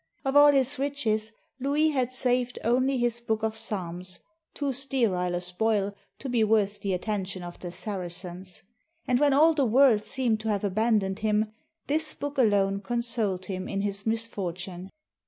Of all his riches, Louis had saved only his book of psalms, too sterile a spoil to be worth the attention of the Sara cens ; and when all the world seemed to have abandoned him, this book alone consoled him in his misfortune.